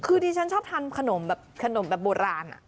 คือที่ฉันชอบทานขนมแบบโบราณ